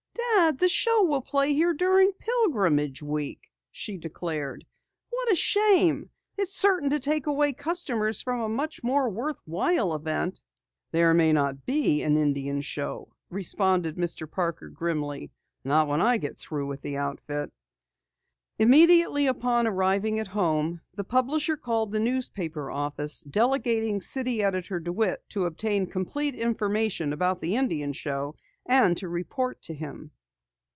"Dad, the show will play here during Pilgrimage Week," she declared. "What a shame! It's certain to take away customers from a much more worthwhile event." "There may not be an Indian show," responded Mr. Parker grimly. "Not when I get through with the outfit!" Immediately upon arriving at home, the publisher called the newspaper office, delegating City Editor DeWitt to obtain complete information about the Indian Show and to report to him.